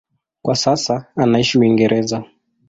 Kwa sasa anaishi Uingereza.